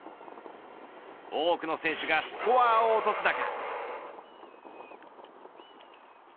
多くの選手がスコアを落とす中。